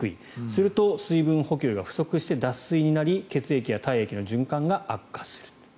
すると、水分補給が不足して脱水になり血液や体液の循環が悪化する。